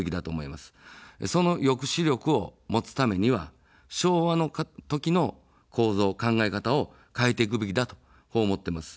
その抑止力を持つためには昭和の時の構造、考え方を変えていくべきだと思っています。